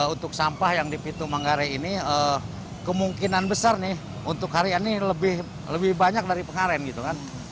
untuk sampah yang di pintu manggarai ini kemungkinan besar untuk hari ini lebih banyak dari pengaruh